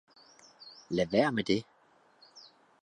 Lad være med det